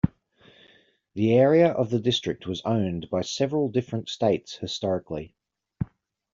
The area of the district was owned by several different states historically.